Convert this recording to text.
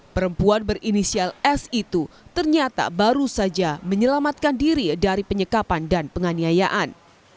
perempuan berinisial s itu ternyata baru saja menyelamatkan diri dari penyekapan dan penganiayaan